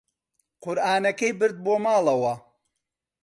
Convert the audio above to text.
قورئانەکەی برد بۆ ماڵەوە.